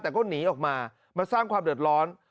แต่ก็หนีออกมามาสร้างความเดือดร้อน